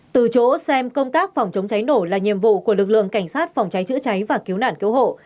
từ chỗ xem công tác phòng chống cháy nổ là nhiệm vụ của lực lượng cảnh sát phòng cháy chữa cháy và cứu nạn cứu hộ